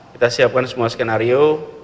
kita siapkan semua skenario